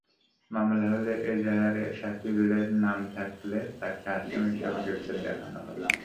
মামলা হলে এজাহারে শাকিলের নাম থাকলে তাঁকে আসামি হিসেবে গ্রেপ্তার দেখানো হবে।